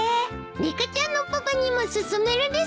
リカちゃんのパパにも勧めるです！